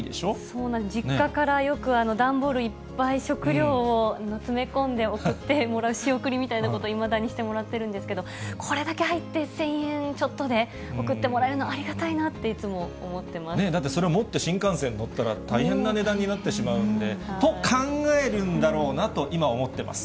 そうなんです、実家からよく段ボールいっぱい、食料を詰め込んで送ってもらう、仕送りみたいなことをいまだにしてもらってるんですけど、これだけ入って１０００円ちょっとで送ってもらえるのってありがだって、それを持って新幹線に乗ったら大変な値段になってしまうんで、と考えるんだろうなと今、思ってます。